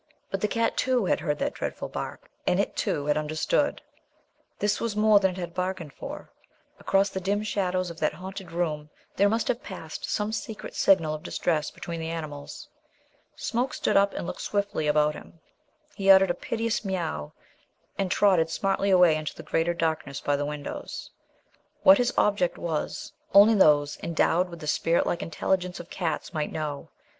But the cat, too, had heard that dreadful bark; and it, too, had understood. This was more than it had bargained for. Across the dim shadows of that haunted room there must have passed some secret signal of distress between the animals. Smoke stood up and looked swiftly about him. He uttered a piteous meow and trotted smartly away into the greater darkness by the windows. What his object was only those endowed with the spirit like intelligence of cats might know.